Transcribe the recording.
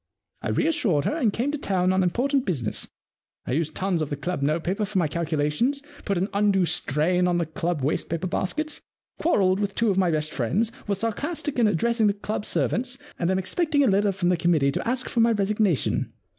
I reassured her and came to town on important business. I used tons of the club notepaper for my calculations, put an undue strain on the club wastepaper baskets, quarrelled with two of my best friends, was sarcastic in addressing club servants, and am expecting a letter from the committee to ask for my resignation.